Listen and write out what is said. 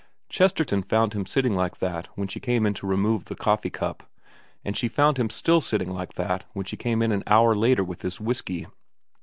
Chesterton found him sitting like that when she came in to remove the coffee cup, and she found him still sitting like that when she came in an hour later with his whisky.